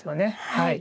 はい。